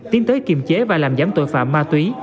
tiến tới kiềm chế và làm giám tội phạm ma túy